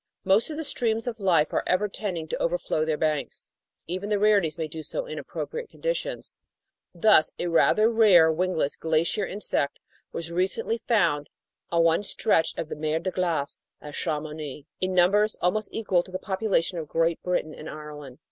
Most of the streams of life are ever tending to overflow their banks. Even the rarities may do so in appropriate conditions; thus a rather rare wingless Glacier Insect was recently found on one stretch of the mer de glace at Chamonix, in numbers almost equal to the population of Great Britain and Ireland.